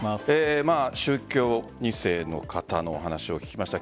宗教２世の方のお話を聞きました。